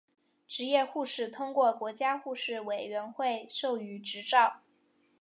执业护士通过国家护士委员会授予执照。